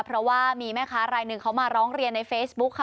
เพราะว่ามีแม่ค้ารายหนึ่งเขามาร้องเรียนในเฟซบุ๊คค่ะ